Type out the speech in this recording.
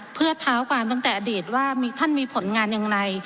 เพื่อเท้าความตั้งแต่อดีตว่าท่านมีผลงานอย่างไร